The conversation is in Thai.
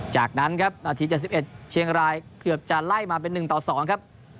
จากนั้นครับนาที๗๑เชียงรายเกือบจะไล่มาเป็น๑ต่อ๒ครับ